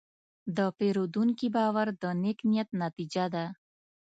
د پیرودونکي باور د نیک نیت نتیجه ده.